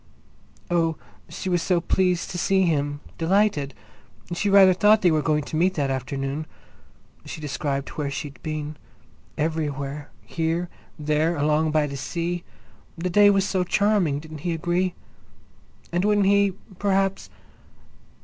Oh, she was so pleased to see him—delighted! She rather thought they were going to meet that afternoon. She described where she'd been—everywhere, here, there, along by the sea. The day was so charming—didn't he agree? And wouldn't he, perhaps?...